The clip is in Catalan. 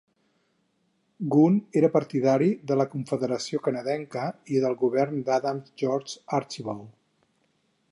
Gunn era partidari de la Confederació canadenca i del govern d'Adams George Archibald.